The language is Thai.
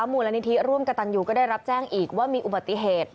มูลนิธิร่วมกับตันยูก็ได้รับแจ้งอีกว่ามีอุบัติเหตุ